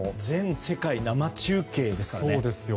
全世界生中継ですからね。